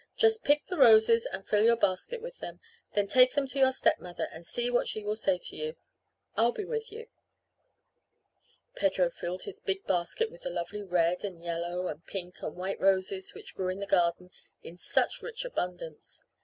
"Just pick the roses and fill your basket with them. Then take them to your stepmother and see what she will say to you. I'll be with you." Pedro filled his big basket with the lovely red and yellow and pink and white roses which grew in the garden in such rich abundance.